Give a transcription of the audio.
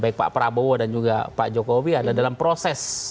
baik pak prabowo dan juga pak jokowi adalah dalam proses